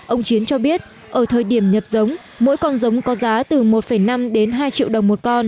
ông chiến cho biết ở thời điểm nhập giống mỗi con giống có giá từ một năm đến hai triệu đồng một con